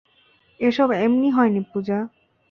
এসব এমনি হয়নি, পূজা।